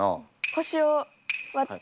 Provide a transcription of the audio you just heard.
腰を割って。